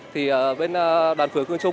thì bên đoàn phường cương trung